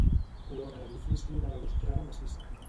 Corona l'edifici una balustrada massissa.